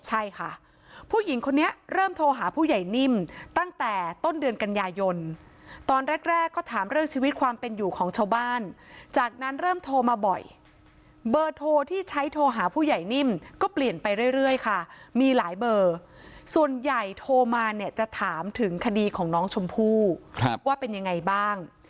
ใช่ค่ะผู้หญิงคนนี้เริ่มโทรหาผู้ใหญ่นิ่มตั้งแต่ต้นเดือนกันยายนตอนแรกก็ถามเรื่องชีวิตความเป็นอยู่ของชาวบ้านจากนั้นเริ่มโทรมาบ่อยเบอร์โทรที่ใช้โทรหาผู้ใหญ่นิ่มก็เปลี่ยนไปเรื่อยค่ะมีหลายเบอร์ส่วนใหญ่โทรมาเนี่ยจะถามถึงคดีของน้องชมพู่ว่าเป็นยังไงบ้าง